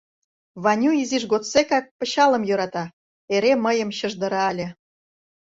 Ваню изиж годсекак пычалым йӧрата; эре мыйым чыждыра ыле: